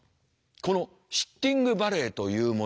このシッティングバレーというもの